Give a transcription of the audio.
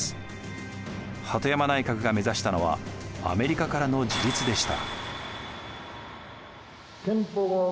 鳩山内閣が目指したのはアメリカからの自立でした。